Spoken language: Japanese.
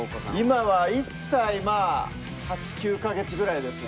今は１歳まあ８９か月ぐらいですね。